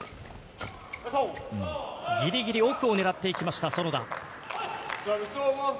ぎりぎり奥を狙っていきました、園田。